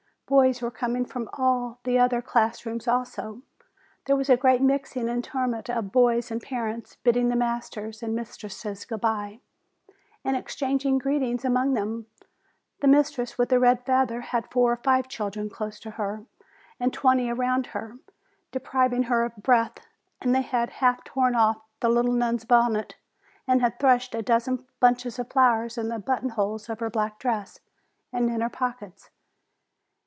Boys were com ing from all the other class rooms also. There was a great mixing and tumult of boys and parents, bidding the masters and mistresses good bye, and exchanging greetings among themselves. The mistress with the red feather had four or five children close to her, and twenty around her, depriving her of breath; and they had half torn off the little nun's bonnet, and had thrust a dozen bunches of flowers in the button holes of her black dress, and in her pockets.